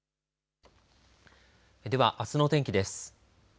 では、あすの天気です。